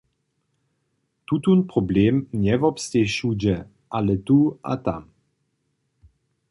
Tutón problem njewobsteji wšudźe, ale tu a tam.